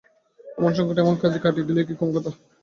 ওর মন সংকট এমন সহজে কাটিয়ে দিলে, এ কি কম কথা!